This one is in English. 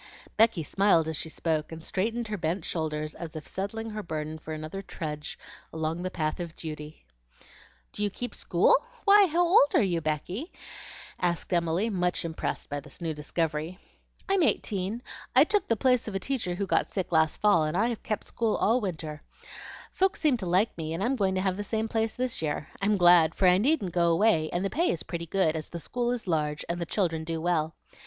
Becky smiled as she spoke, and straightened her bent shoulders as if settling her burden for another trudge along the path of duty. "Do you keep school? Why, how old are you, Becky?" asked Emily, much impressed by this new discovery. "I'm eighteen. I took the place of a teacher who got sick last fall, and I kept school all winter. Folks seemed to like me, and I'm going to have the same place this year. I'm so glad, for I needn't go away and the pay is pretty good, as the school is large and the children do well.